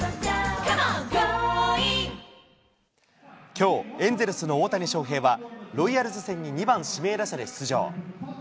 きょう、エンゼルスの大谷翔平は、ロイヤルズ戦に２番指名打者で出場。